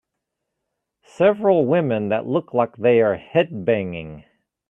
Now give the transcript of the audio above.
Several women that look like they are headbanging.